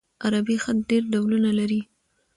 عربي خط ډېر ډولونه لري.